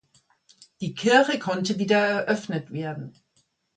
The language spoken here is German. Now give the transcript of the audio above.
Die Kirche konnte wieder eröffnet werden.